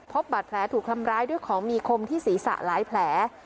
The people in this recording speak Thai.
พบบาดแผลถูกทำร้ายด้วยของมีคมที่ศีรษะหลายแผล